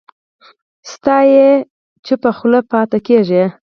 ستایي یې چوپه خوله پاتې کېږي